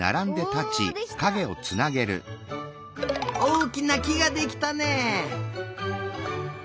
おおきなきができたねえ。